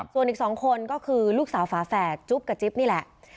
ส่วนอีก๒คนก็คือลูกสาวฝาแฝดจุ๊บกับจิ๊บนี่แหละ